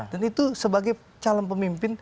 dan itu sebagai calon pemimpin